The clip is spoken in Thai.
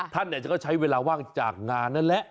ท่านจะก็ใช้เวลาว่างจากงานนั่นแหละ